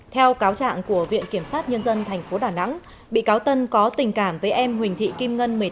theo cáo trạng của viện kiểm sát nhân dân tp đà nẵng bị cáo tân có tình cảm với em huỳnh thị kim ngân